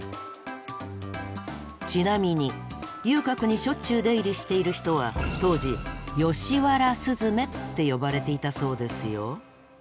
ちなみに遊郭にしょっちゅう出入りしている人は当時「吉原雀」って呼ばれていたそうですよ。